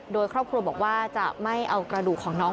โดยครอบครัวบอกว่าจะไม่เอากระดูกของน้อง